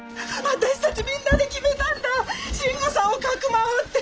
私たちみんなで決めたんだ慎吾さんをかくまうって！